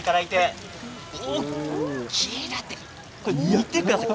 見てください。